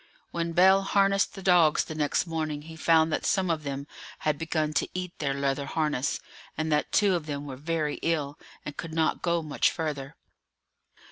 When Bell harnessed the dogs the next morning he found that some of them had begun to eat their leather harness, and that two of them were very ill, and could not go much further.